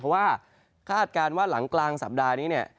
เพราะว่าคาดการณ์ว่าหลังกลางสัปดาห์นี้เนี่ย